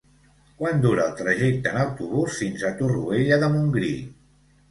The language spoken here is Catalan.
Quant dura el trajecte en autobús fins a Torroella de Montgrí?